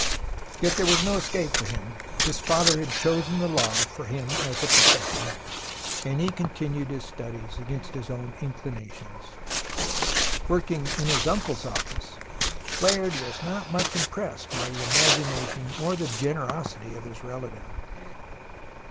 Yet there was no escape for him. His father had chosen the law for him as a profession, and 122 THE ROMANCE OF EXCAVATION he continued his studies against his own in dinations. Working in his uncle's office, Layard was not much impressed by the imagination or the generosity of his relative.